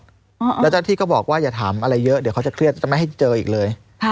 แล้วเจ้าที่ก็บอกว่าอย่าถามอะไรเยอะเดี๋ยวเขาจะเครียดจะไม่ให้เจออีกเลย